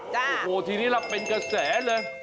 โหทีนี้ระเป็นเกษ่ห์เลย